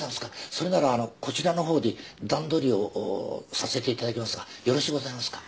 それならあのこちらの方で段取りをさせていただきますがよろしゅうございますか？